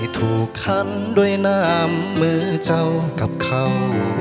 ถูกคันด้วยน้ำมือเจ้ากับเขา